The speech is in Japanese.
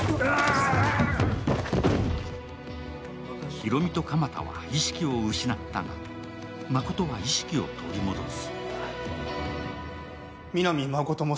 広見と鎌田は意識を失ったが、誠は意識を取り戻す。